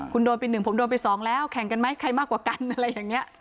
คุณโดนปีหนึ่งผมโดนปีสองแล้วแข่งกันไหมใครมากกว่ากันอะไรอย่างเงี้ย